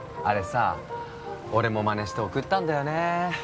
あれさ俺もマネして贈ったんだよね